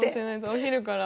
お昼から。